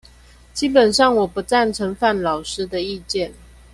基本上我不贊成范老師的意見